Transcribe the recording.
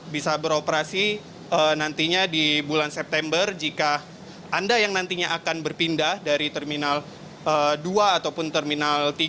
bisa beroperasi nantinya di bulan september jika anda yang nantinya akan berpindah dari terminal dua ataupun terminal tiga